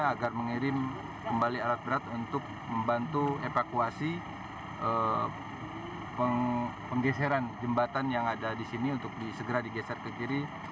agar mengirim kembali alat berat untuk membantu evakuasi penggeseran jembatan yang ada di sini untuk segera digeser ke kiri